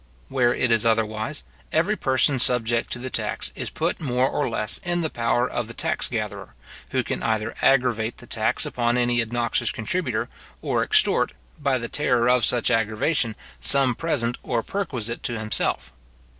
Where it is otherwise, every person subject to the tax is put more or less in the power of the tax gatherer, who can either aggravate the tax upon any obnoxious contributor, or extort, by the terror of such aggravation, some present or perquisite to himself.